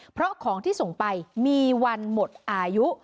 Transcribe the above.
เพราะของที่ส่งไปมีวันหมดอายุ